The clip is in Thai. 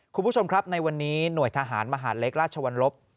คุณผู้ชมครับในวันนี้หน่วยทหารมหาดเล็กราชวรรลบ